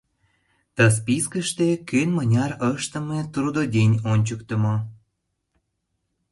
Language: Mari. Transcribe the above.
Ты спискыште кӧн мыняр ыштыме трудодень ончыктымо.